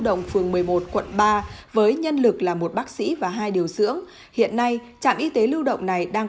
động phường một mươi một quận ba với nhân lực là một bác sĩ và hai điều dưỡng hiện nay trạm y tế lưu động này đang